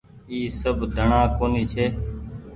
اي سب ڌڻآ ڪونيٚ ڇي۔